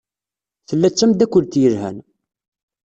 Tella d tameddakelt yelhan.